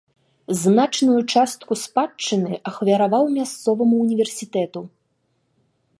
Значную частку спадчыны ахвяраваў мясцоваму ўніверсітэту.